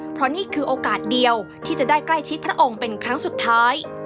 เพราะนี่คือโอกาสเดียวที่จะได้ใกล้ชิดพระองค์เป็นครั้งสุดท้าย